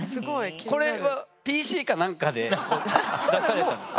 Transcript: これはＰＣかなんかで出されたんですか？